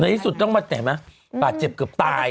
ในอีกสุดต้องขาดเห็นมั้ยปากเจ็บเกือบตาย